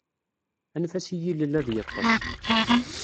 Anef-as i yilel ad yeṭṭes.